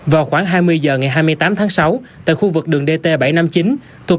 vào khoảng hai mươi giờ ngày hai mươi tám tháng sáu tại khu vực đường dt bảy trăm năm mươi chín thuộc địa bàn hà nội